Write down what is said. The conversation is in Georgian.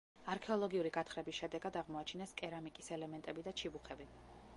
არქეოლოგიური გათხრების შედეგად აღმოაჩინეს კერამიკის ელემენტები და ჩიბუხები.